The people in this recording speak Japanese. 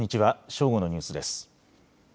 正午のニュースです。